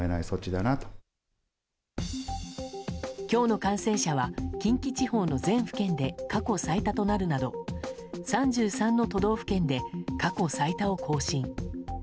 今日の感染者は近畿地方の全府県で過去最多となるなど３３の都道府県で過去最多を更新。